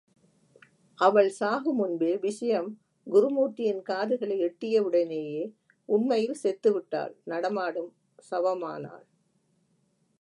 அவள் சாகு முன்பே, விஷயம் குருமூர்த்தியின் காதுகளை எட்டியவுடனேயே, உண்மையில் செத்துவிட்டாள் நடமாடும் சவமானாள்.